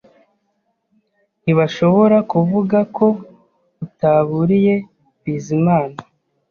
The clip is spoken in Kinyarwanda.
Ntibashobora kuvuga ko utaburiye Bizimana